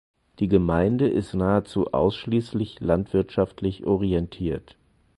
Die Gemeinde ist nahezu ausschließlich landwirtschaftlich orientiert.